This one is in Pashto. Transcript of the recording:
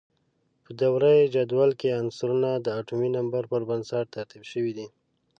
په دوره یي جدول کې عنصرونه د اتومي نمبر پر بنسټ ترتیب شوي دي.